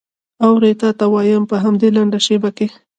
اورې تا ته وایم په همدې لنډه شېبه کې.